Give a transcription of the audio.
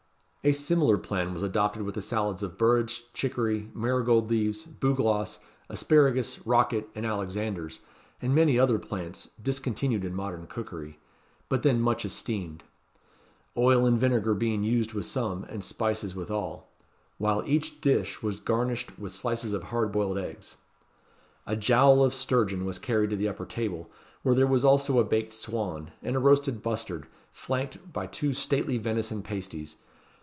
A similar plan was adopted with the salads of burrage, chicory, marigold leaves, bugloss, asparagus, rocket, and alexanders, and many other plants discontinued in modern cookery, but then much esteemed; oil and vinegar being used with some, and spices with all; while each dish was garnished with slices of hard boiled eggs. A jowl of sturgeon was carried to the upper table, where there was also a baked swan, and a roasted bustard, flanked by two stately venison pasties.